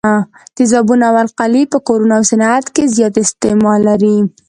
تیزابونه او القلي په کورونو او صنعت کې زیات استعمال لري.